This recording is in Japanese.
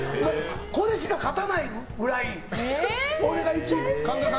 これしか勝たないぐらい俺が１位。